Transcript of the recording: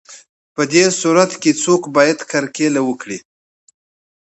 په دې صورت کې څوک باید کرکیله وکړي